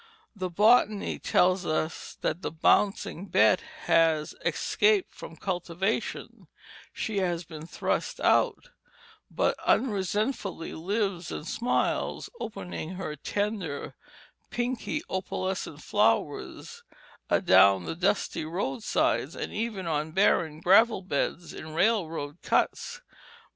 The botany tells us that bouncing bet has "escaped from cultivation" she has been thrust out, but unresentfully lives and smiles; opening her tender pinky opalescent flowers adown the dusty roadsides, and even on barren gravel beds in railroad cuts.